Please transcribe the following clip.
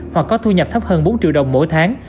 hoặc có thu nhập thấp hơn bốn triệu đồng mỗi tháng